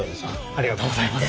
ありがとうございます。